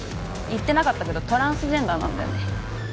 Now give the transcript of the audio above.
言ってなかったけどトランスジェンダーなんだよね。